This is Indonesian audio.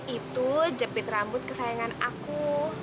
itu jepit rambut kesayangan aku